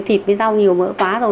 thịt với dâu nhiều mỡ quá rồi